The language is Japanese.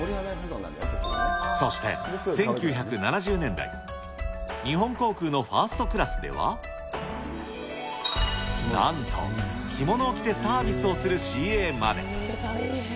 そして、１９７０年代、日本航空のファーストクラスでは、なんと、着物を着てサービスをするＣＡまで。